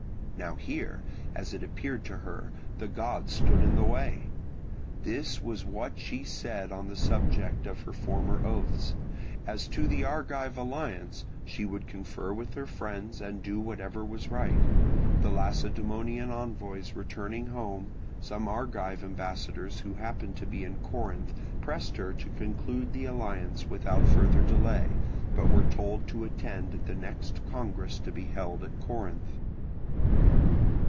Now here, as it appeared to her, the gods stood in the way. This was what she said on the subject of her former oaths. As to the Argive alliance, she would confer with her friends and do whatever was right. The Lacedaemonian envoys returning home, some Argive ambassadors who happened to be in Corinth pressed her to conclude the alliance without further delay, but were told to attend at the next congress to be held at Corinth.